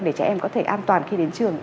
để trẻ em có thể an toàn khi đến trường